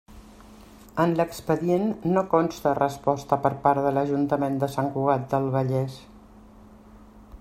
En l'expedient no consta resposta per part de l'Ajuntament de Sant Cugat del Vallès.